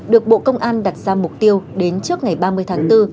được bộ công an đặt ra mục tiêu đến trước ngày ba mươi tháng bốn